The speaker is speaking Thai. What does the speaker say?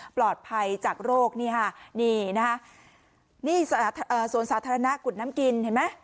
ปลอดภัยจากโรคนี่ค่ะนี่นะคะนี่สวนสาธารณะกุดน้ำกินเห็นไหม